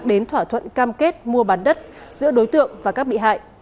đến thỏa thuận cam kết mua bán đất giữa đối tượng và các bị hại